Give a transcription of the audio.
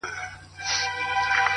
ملايکه مخامخ راته راگوري!